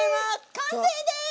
完成です！